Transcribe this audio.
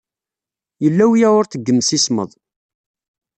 Yella uyawurt deg yimsismeḍ.